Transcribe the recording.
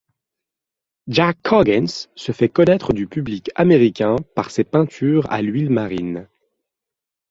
Jack Coggins se fait connaître du public américain par ses peintures à l'huile marine.